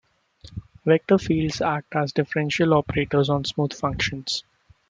Vector fields act as differential operators on smooth functions.